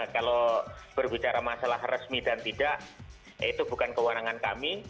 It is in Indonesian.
kalau berbicara masalah resmi dan tidak itu bukan kewenangan kami